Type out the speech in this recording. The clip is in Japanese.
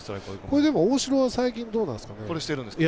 大城は最近どうなんですかね。